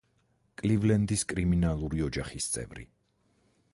კლივლენდის კრიმინალური ოჯახის წევრი.